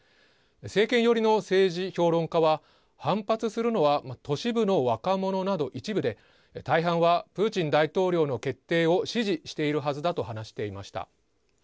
政権寄りの政治評論家は反発するのは都市部の若者など一部で大半は、プーチン大統領の決定を支持しているはずだと話していました。